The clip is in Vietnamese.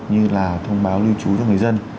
như là thông báo lưu trú cho người dân